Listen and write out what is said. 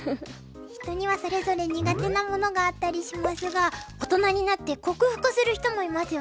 人にはそれぞれ苦手なものがあったりしますが大人になって克服する人もいますよね。